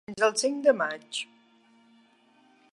Fins al cinc de maig.